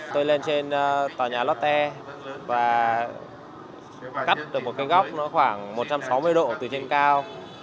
tôi lên trên tòa nhà lotte và cắt được một cái góc nó khoảng một trăm sáu mươi độ từ trên cao